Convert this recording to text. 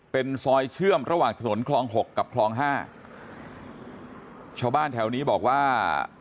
เป็นซอยเชื่อมระหว่างถนนคลองหกกับคลองห้าชาวบ้านแถวนี้บอกว่า